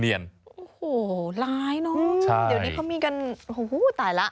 โอ้โหร้ายเนอะเดี๋ยวนี้เขามีกันโอ้โหตายแล้ว